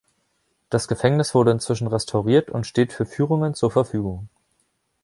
Das Gefängnis wurde inzwischen restauriert und steht für Führungen zur Verfügung.